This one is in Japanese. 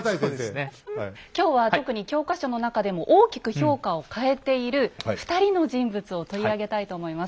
今日は特に教科書の中でも大きく評価を変えている２人の人物を取り上げたいと思います。